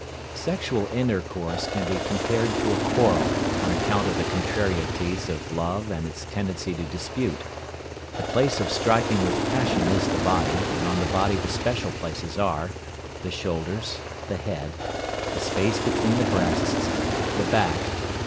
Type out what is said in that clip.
Sexual intercourse can be compared to a quarrel, on account of the contrarieties of love and its tendency to dispute. The place of striking with passion is the body, and on the body the special places are: The shoulders. The head. The space between the breasts. The back.